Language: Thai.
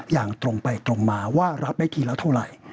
อย่างตรงไปตรงมาว่ารับได้ทีละเท่าไหร่